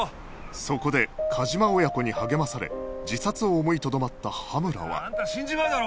そこで梶間親子に励まされ自殺を思いとどまった羽村はあんた死んじまうだろ。